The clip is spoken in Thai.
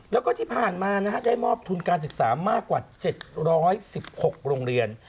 แล้วก็ที่ผ่านมาได้มอบทุนการศึกษามากกว่า๗๑๖โรงเรียน